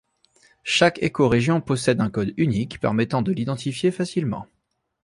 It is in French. Chaque écorégion possède un code unique permettant de l'identifier facilement.